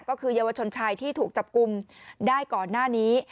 ก็คือเยาวชนชายที่ถูกจับกลุ่มได้ก่อนหน้านี้